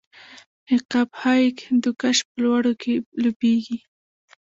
عقاب های هندوکش په لوړو کې لوبیږي.